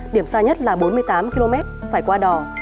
điểm xa nhất là bốn mươi tám km phải qua đò